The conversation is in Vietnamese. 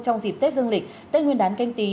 trong dịp tết dương lịch tết nguyên đán canh tí